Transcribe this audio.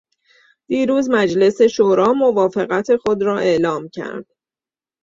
دیروز مجلس شورا موافقت خود را اعلام کرد.